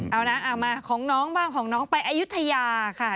เอานะเอามาของน้องบ้างของน้องไปอายุทยาค่ะ